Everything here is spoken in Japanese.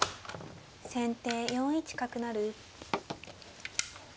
先手４一角成。